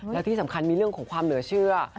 แล้วที่สำคัญมีเรื่องของความเหลือเชื่อ